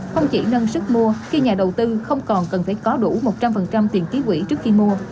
không chỉ nâng sức mua khi nhà đầu tư không còn cần phải có đủ một trăm linh tiền ký quỹ trước khi mua